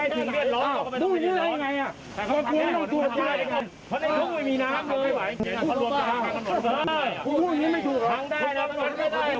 ผมไม่ได้อะไรผมไม่ควรปฏิบัติในวิทยาลัย